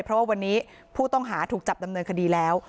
เพราะว่าวันนี้ผู้ต้องหาถูกจับดำเนินคดีแล้ว